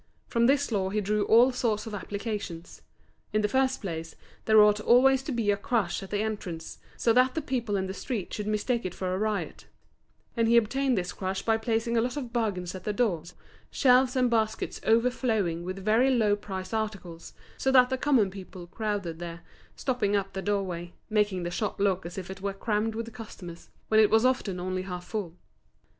From this law he drew all sorts of applications. In the first place, there ought always to be a crush at the entrance, so that the people in the street should mistake it for a riot; and he obtained this crush by placing a lot of bargains at the doors, shelves and baskets overflowing with very low priced articles; so that the common people crowded there, stopping up the doorway, making the shop look as if it were crammed with customers, when it was often only half full.